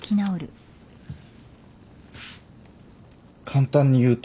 簡単に言うと。